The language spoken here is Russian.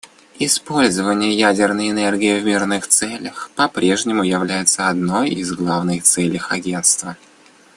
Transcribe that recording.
Использование ядерной энергии в мирных целях по-прежнему является одной из главных целей Агентства.